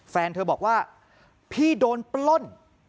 แฟนเธอบอกว่าพี่โดนปล้น